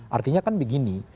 artinya kan begini